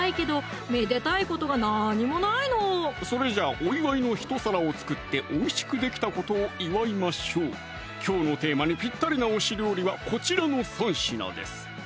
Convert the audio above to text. それじゃ「お祝いの一皿」を作っておいしくできたことを祝いましょうきょうのテーマにぴったりな推し料理はこちらの３品です